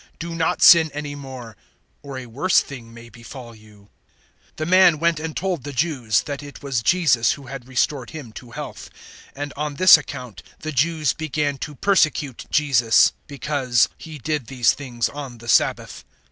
Do not sin any more, or a worse thing may befall you." 005:015 The man went and told the Jews that it was Jesus who had restored him to health; 005:016 and on this account the Jews began to persecute Jesus because He did these things on the Sabbath.